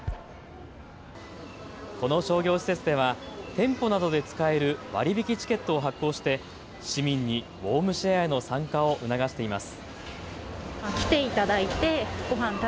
この商業施設では店舗などで使える割り引きチケットを発行して市民にウォームシェアへの参加を促しています。